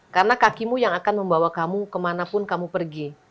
karena kakimu yang akan membawa kamu ke mana pun kamu pergi